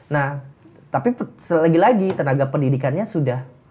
nah tapi lagi lagi tenaga pendidikannya sudah